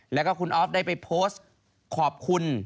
แล้วก็คุณอ๊อฟได้ไปโพสต์ขอบคุณ